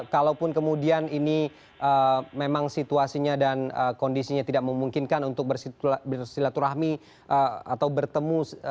kalaupun kemudian ini memang situasinya dan kondisinya tidak memungkinkan untuk bersilaturahmi atau bertemu